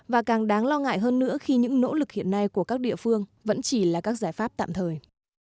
và càng đáng lo ngại hơn nữa khi những nỗ lực hiện nay của các địa phương vẫn chỉ là các giải pháp tạm thời